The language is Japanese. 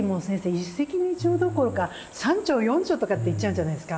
一石二鳥どころか三鳥四鳥とかっていっちゃうんじゃないですか？